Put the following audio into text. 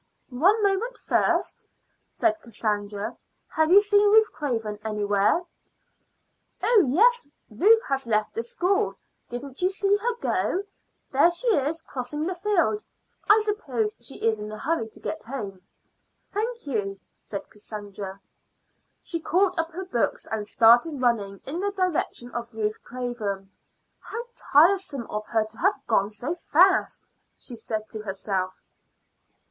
"One moment first," said Cassandra. "Have you seen Ruth Craven anywhere?" "Oh yes; Ruth has left the school. Didn't you see her go? There she is, crossing the field. I suppose she is in a hurry to get home." "Thank you," said Cassandra. She caught up her books and started running in the direction of Ruth Craven. "How tiresome of her to have gone so fast!" she said to herself?